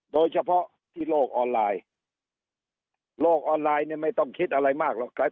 โดยเฉพาะที่โลกออนไลน์โลกออนไลน์เนี่ยไม่ต้องคิดอะไรมากหรอก